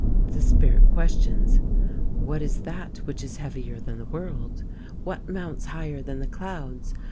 The Spirit questions : What is that which is heavier than the world ? What mounts higher than the clouds